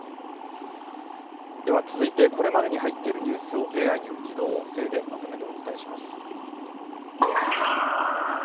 では続いてこれまでに入っているニュースをＡＩによる自動音声でまとめてお伝えします。